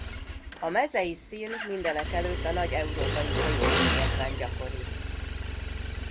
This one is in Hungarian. A mezei szil mindenekelőtt a nagy európai folyóvölgyekben gyakoribb.